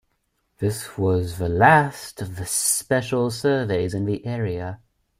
This was the last of the special surveys in the area.